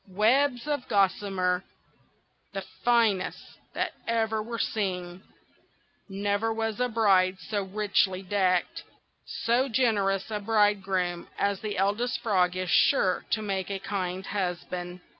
webs of gossamer, the finest that ever were seen! Never was bride so richly decked. So generous a bridegroom as the Eldest Frog is sure to make a kind husband."